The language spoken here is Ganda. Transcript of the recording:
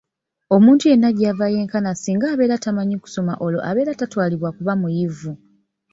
Omuntu yenna gy’ava yenkana singa abeera tamanyi kusoma olwo abeera tatwalibwa kuba muyivu.